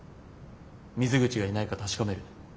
水口がいないか確かめる。